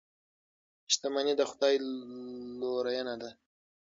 شتمني د خدای لورینه ده.